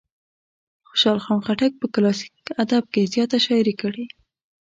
خوشال خان خټک په کلاسیک ادب کې زیاته شاعري کړې.